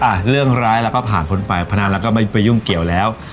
อ่ะเรื่องร้ายเราก็ผ่านพ้นไปพนันเราก็ไม่ไปยุ่งเกี่ยวแล้ว